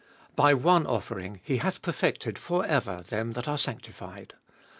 By one offering He hath perfected for ever them that are sanctified.